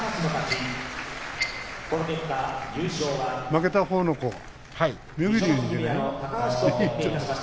負けたほうの子は？